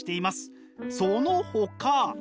そのほか。